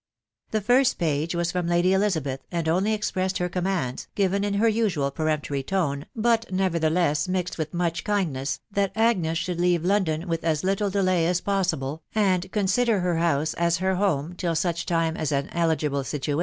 The fir6t page was from Lady Elizabeth, and only expressed her commands, given in her usual peremptory tone, but never theless mixed with much kindness, that Agnes should leave London with as little delay as possible, and consider her house as her home till such time as an eiigvbte «v\m^\a.